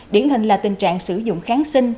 điển hình là tình trạng sử dụng kháng sinh